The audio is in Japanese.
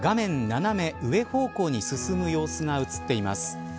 斜め上方向に進む様子が映っています。